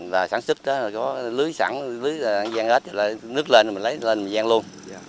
là sản xuất đó có lưới sẵn lưới gian hết nước lên mình lấy lên mình gian luôn